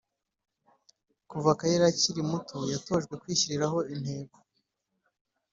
Kuva Kyle akiri muto yatojwe kwishyiriraho intego